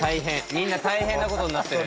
みんな大変なことになってる。